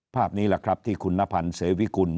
ภาพนี้แหละครับที่คุณนพันธ์เสวิกุล